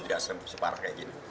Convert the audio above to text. tidak separah kayak gini